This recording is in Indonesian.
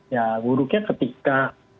ya buruknya ketika